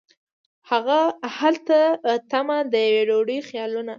هلته تمه د یوې ډوډۍ خیالونه